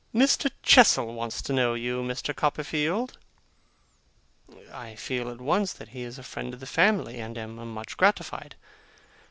Mr. Chestle wants to know you, Mr. Copperfield.' I feel at once that he is a friend of the family, and am much gratified.